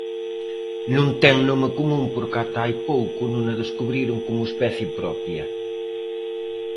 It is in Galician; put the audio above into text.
Non ten nome común porque ata hai pouco non a descubriron como especie propia.